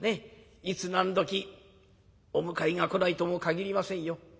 いつ何時お迎えが来ないとも限りませんよ。